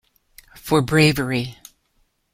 for bravery.